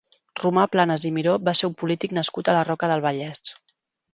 Romà Planas i Miró va ser un polític nascut a la Roca del Vallès.